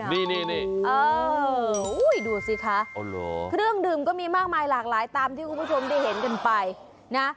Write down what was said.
นี่ดูสิคะเครื่องดื่มก็มีมากมายหลากหลายตามที่คุณผู้ชมได้เห็นกันไปนะ